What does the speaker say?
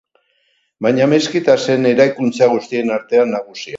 Baina meskita zen eraikuntza guztien artean nagusia.